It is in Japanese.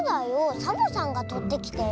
サボさんがとってきてよ。